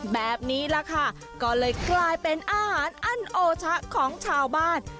แบบนี้แหละค่ะก็เลยกลายเป็นอาหารอั้นโอชะของชาวบ้าน